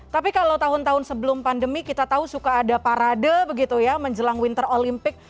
tapi kalau tahun tahun sebelum pandemi kita tahu suka ada parade begitu ya menjelang winter olympic